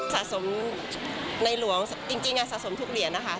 สะสมในหลวงจริงสะสมทุกเหรียญนะคะ